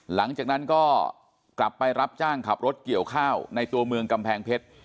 หลังจากนั้นก็กลับไปรับจ้างขับรถเกี่ยวข้าวในตัวเมืองกำแพงเพชร